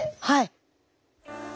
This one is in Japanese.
はい。